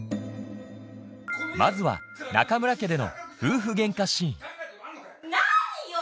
まずは中村家での夫婦ゲンカシーン何よ！